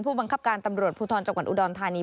ผู้บังคับการตำรวจภูทรจังหวัดอุดรธานี